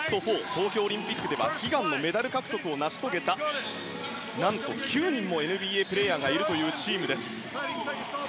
東京オリンピックでは悲願のメダル獲得を成し遂げた何と９人もＮＢＡプレーヤーがいるというチームです。